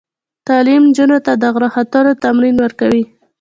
تعلیم نجونو ته د غره ختلو تمرین ورکوي.